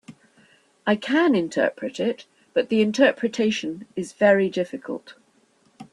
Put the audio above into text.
I can interpret it, but the interpretation is very difficult.